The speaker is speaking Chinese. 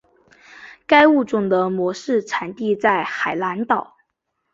该物种的模式产地在海南岛。